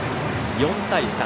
４対３。